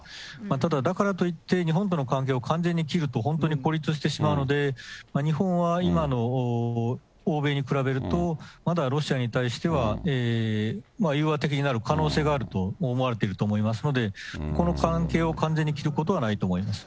ただだからといって、日本との関係を完全に切ると、本当に孤立してしまうので、日本は今の欧米に比べると、まだロシアに対しては融和的になる可能性があると思われていると思いますので、この関係を完全に切ることはないと思います。